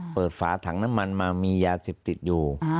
เปิดฝาถังน้ำมันมามียาสิบติดอยู่